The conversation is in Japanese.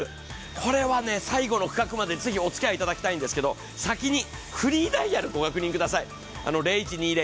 これはね、最後の価格までおつきあいいただきたいんですけど先にフリーダイヤルご確認ください。